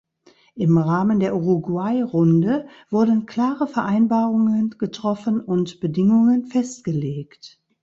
Im Rahmen der Uruguay-Runde wurden klare Vereinbarungen getroffen und Bedingungen festgelegt.